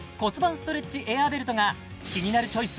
ストレッチエアーベルトが「キニナルチョイス」